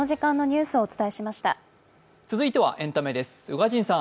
続いてはエンタメです。